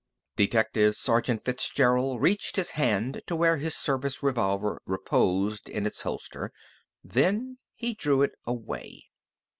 Detective Sergeant Fitzgerald reached his hand to where his service revolver reposed in its holster. Then he drew it away.